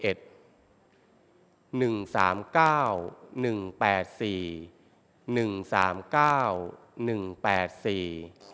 ออกรางวัลที่๕ครั้งที่๖๑